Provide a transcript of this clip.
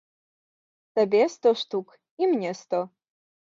Табе сто штук і мне сто.